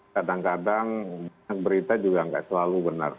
kadang kadang berita juga nggak selalu benar